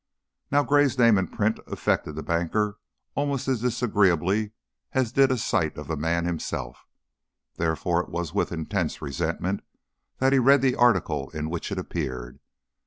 Now Gray's name in print affected the banker almost as disagreeably as did a sight of the man himself; therefore it was with intense resentment that he read the article in which it appeared.